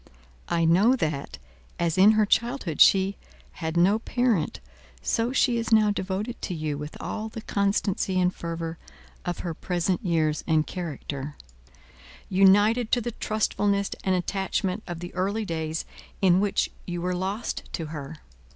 I know that, as in her childhood she had no parent, so she is now devoted to you with all the constancy and fervour of her present years and character, united to the trustfulness and attachment of the early days in which you were lost to her.